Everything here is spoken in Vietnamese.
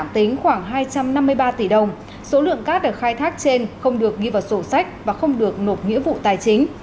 tính khoảng hai trăm năm mươi ba tỷ đồng số lượng cát được khai thác trên không được ghi vào sổ sách và không được nộp nghĩa vụ tài chính